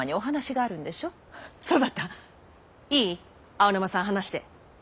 青沼さん話して。